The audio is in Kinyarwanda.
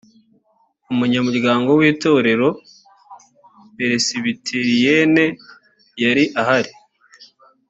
umunyamuryango w itorero peresibiteriyene yari ahari